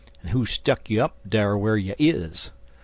En who stuck you up dar whar you iz?